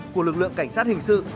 của lực lượng cảnh sát hình sự